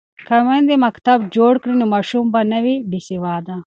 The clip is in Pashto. که میندې مکتب جوړ کړي نو ماشوم به نه وي بې سواده.